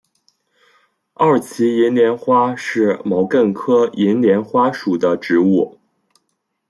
二歧银莲花是毛茛科银莲花属的植物。